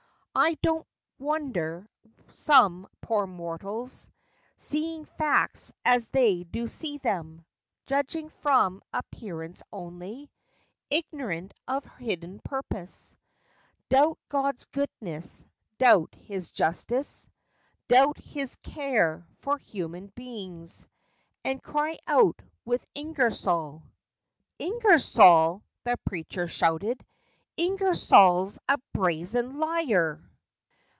"I don't wonder some poor mortals, Seeing facts as they do see them— Judging from appearance only, Ignorant of hidden purpose— Doubt God's goodness; doubt His justice; Doubt His care for human beings; And cry out with Ingersoll "— "Ingersoll!" the preacher shouted; "Ingersoll's a brazen liar!